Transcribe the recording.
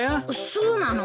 そうなの？